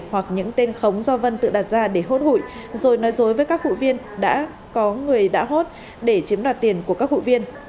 hoặc những tên khống do vân tự đặt ra để hốt hụi rồi nói dối với các hụi viên đã có người đã hốt để chiếm đoạt tiền của các hụi viên